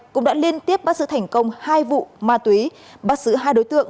cũng đã liên tiếp bắt giữ thành công hai vụ ma túy bắt giữ hai đối tượng